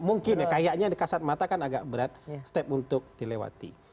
mungkin ya kayaknya di kasat mata kan agak berat step untuk dilewati